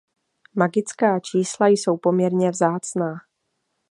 Magická čísla jsou poměrně vzácná.